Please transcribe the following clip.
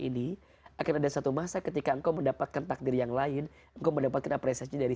ini akan ada satu masa ketika engkau mendapatkan takdir yang lain engkau mendapatkan apresiasi dari